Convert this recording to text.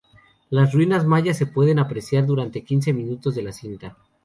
Las ruinas mayas se pueden apreciar durante quince minutos de la cinta.